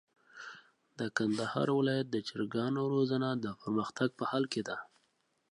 د کندهار ولايت کي د چرګانو روزنه د پرمختګ په حال کي ده.